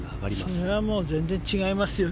それは全然違いますよ